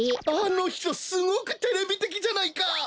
あのひとすごくテレビてきじゃないか。